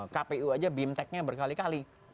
kpu saja bimtek nya berkali kali